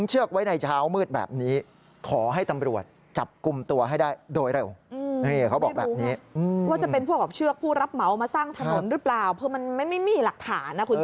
หรือเปล่าเพื่อมันไม่มีหลักฐานคุณศึกกับคุณผู้ชมค่ะ